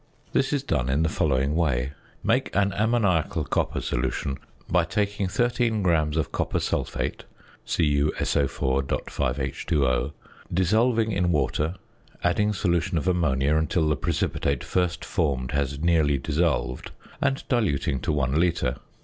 This is done in the following way: Make an ammoniacal copper solution by taking 13 grams of copper sulphate (CuSO_.5H_O), dissolving in water, adding solution of ammonia until the precipitate first formed has nearly dissolved, and diluting to 1 litre.